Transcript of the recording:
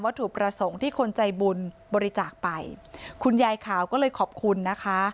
ถูกประสงค์ที่คนใจบุญบริจาคไปคุณยายขาวก็เลยขอบคุณนะคะ